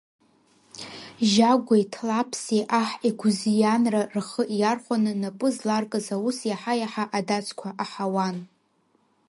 Жьагәеи Ҭлаԥси аҳ игәызианра рхы иархәаны напы зларкыз аус иаҳа-иаҳа адацқәа аҳауан.